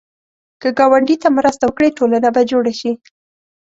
که ګاونډي ته مرسته وکړې، ټولنه به جوړه شي